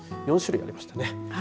４種類ありますね。